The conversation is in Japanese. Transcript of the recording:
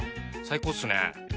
最高っすね！